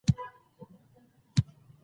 هغه د ملي پخلاینې یو سمبول بولي.